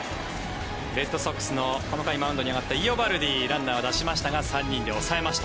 レッドソックスのこの回、マウンドに上がったイオバルディランナーを出しましたが３人で抑えました。